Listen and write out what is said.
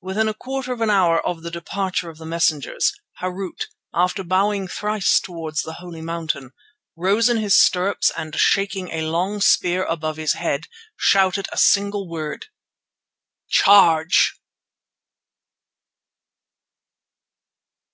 Within a quarter of an hour of the departure of the messengers Harût, after bowing thrice towards the Holy Mountain, rose in his stirrups and shaking a long spear above his head, shouted a single word: "Charge!"